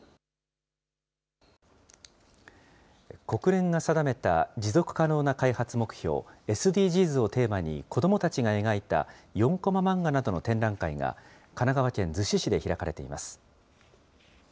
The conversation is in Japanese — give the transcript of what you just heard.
国連が定めた持続可能な開発目標・ＳＤＧｓをテーマに、子どもたちが描いた４コマ漫画などの展覧会が、神奈川県逗子市で開かれています。